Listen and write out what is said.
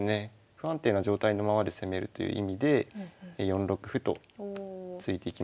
不安定な状態のままで攻めるという意味で４六歩と突いていきました。